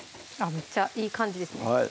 むっちゃいい感じですね